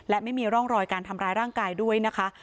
และไม่มีร่องรอยการทำร้ายร่างกายด้วยนะคะ